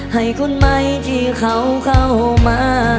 ให้คนใหม่ที่เขาเข้ามา